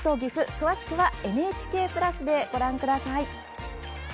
詳しくはＮＨＫプラスでご覧ください。